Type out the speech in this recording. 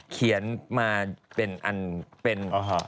เขียนมาเป็นอันเป็น